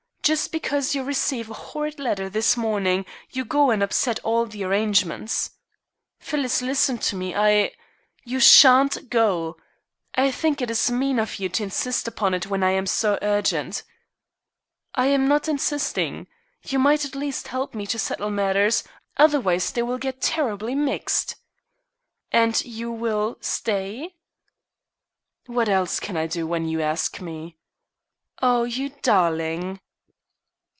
Just because you receive a horrid letter this morning you go and upset all the arrangements." "Phyllis, listen to me. I " "You shan't go. I think it is mean of you to insist upon it when I am so urgent." "I am not insisting. You might at least help me to settle matters; otherwise they will get terribly mixed." "And you will stay?" "What else can I do when you ask me?" "Oh, you darling!"